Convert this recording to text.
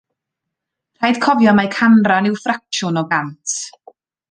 Rhaid cofio mai canran yw ffracsiwn o gant